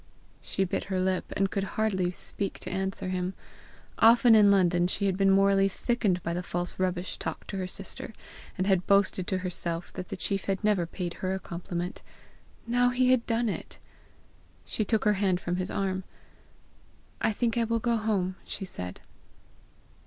She bit her lip, and could hardly speak to answer him. Often in London she had been morally sickened by the false rubbish talked to her sister, and had boasted to herself that the chief had never paid her a compliment. Now he had done it! She took her hand from his arm. "I think I will go home!" she said.